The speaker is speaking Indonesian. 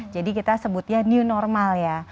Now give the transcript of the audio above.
jadi kita sebutnya new normal ya